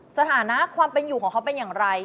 สถานะความเป็นอยู่ของเขาเป็นอย่างไร